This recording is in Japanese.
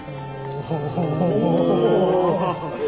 お！